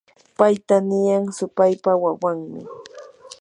payta niyan supaypa wawanmi.